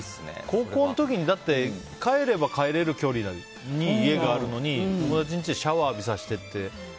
高校の時に帰れば帰れる距離に家があるのに、友達の家にシャワー浴びさせてって。